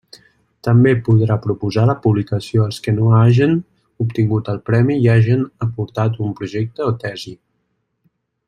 També podrà proposar la publicació als que no hagen obtingut el premi i hagen aportat un projecte o tesi.